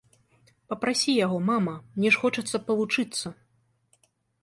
Папрасі яго, мама, мне ж хочацца павучыцца.